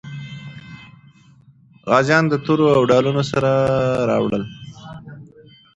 غازیان د تورو او ډالونو سره راوړل.